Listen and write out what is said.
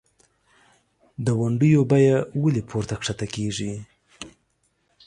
دونډیو بیه ولۍ پورته کښته کیږي؟